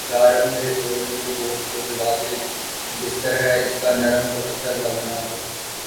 یا رب میرے سوئے ہوئے دوست کو جگا دے۔ بستر ہے اس کا نرم تو پتھر کا بنا دے